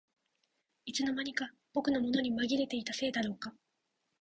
いつの間にか僕のものにまぎれていたせいだろうか